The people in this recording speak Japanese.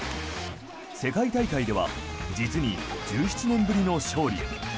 世界大会では実に１７年ぶりの勝利。